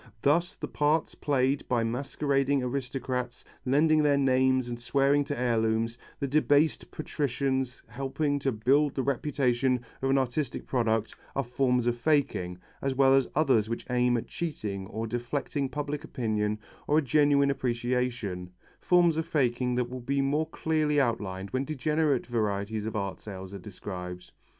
Thus the parts played by masquerading aristocrats, lending their names and swearing to heirlooms, the debased patricians helping to build the reputation of an artistic product, are forms of faking, as well as others which aim at cheating or deflecting public opinion or a genuine appreciation forms of faking that will be more clearly outlined when degenerate varieties of art sales are described.